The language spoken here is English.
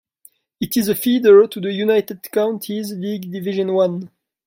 It is a feeder to the United Counties League Division One.